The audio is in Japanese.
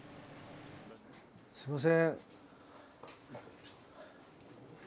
すいません！